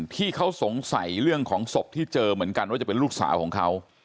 ที่เขาสงสัยเรื่องของศพที่เจอเหมือนกันว่าจะเป็นลูกสาวของเขา